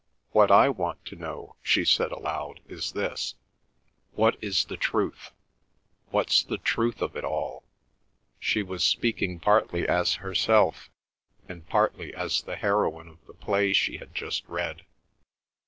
"What I want to know," she said aloud, "is this: What is the truth? What's the truth of it all?" She was speaking partly as herself, and partly as the heroine of the play she had just read.